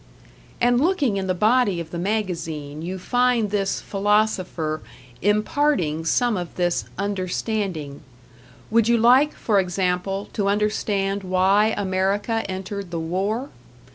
And looking in the body of the magazine, you find this Philosopher imparting some of this Understanding. Would you like, for example, to understand why America entered the War?